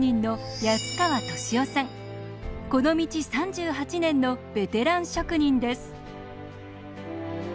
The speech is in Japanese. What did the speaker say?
この道３８年のベテラン職人です。